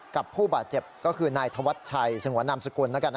ผู้บาดเจ็บก็คือนายธวัชชัยสงวนนามสกุลแล้วกัน